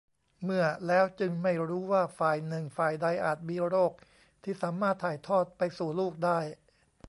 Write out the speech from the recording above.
เมื่อ แล้วจึงไม่รู้ว่าฝ่ายหนึ่งฝ่ายใดอาจมีโรคที่สามารถถ่ายทอดไปสู่ลูกได้